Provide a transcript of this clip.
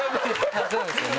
そうですよね。